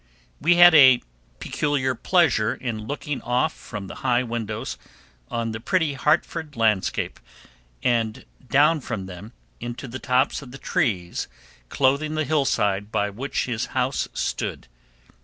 We had a peculiar pleasure in looking off from the high windows on the pretty Hartford landscape, and down from them into the tops of the trees clothing the hillside by which his house stood.